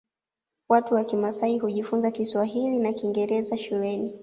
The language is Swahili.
Watu wa kimasai hujifunza kiswahili na kingeraza shuleni